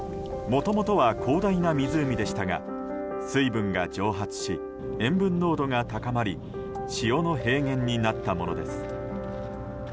もともとは広大な湖でしたが水分が蒸発し塩分濃度が高まり塩の平原になったものです。